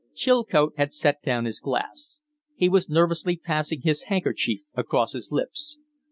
Chilcote had set down his glass. He was nervously passing his handkerchief across his lips.